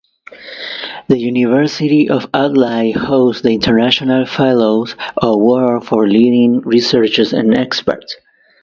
The University of Adelaide hosts the International Fellows Award for leading researchers and experts.